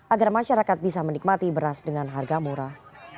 agar masyarakat bisa menikmati beras dengan harga murah